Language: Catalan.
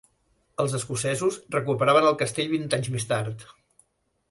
Els escocesos recuperaven el castell vint anys més tard.